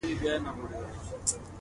د خپلو هڅو په پایله باور ولرئ.